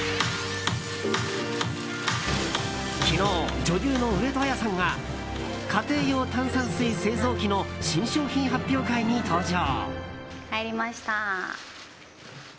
昨日、女優の上戸彩さんが家庭用炭酸水製造機の新商品発表会に登場。